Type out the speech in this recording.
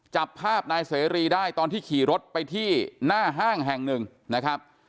จับภาพนายเสรีได้ตอนที่ขี่รถไปที่หน้าห้างแห่งหนึ่งนะครับ